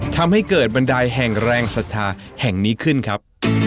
ทำให้เกิดบันไดแห่งแรงศรัทธาแห่งนี้ขึ้นครับ